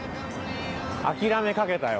諦めかけたよ